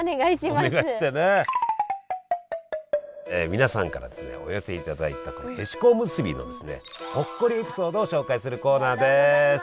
皆さんからお寄せいただいたへしこおむすびのほっこりエピソードを紹介するコーナーです！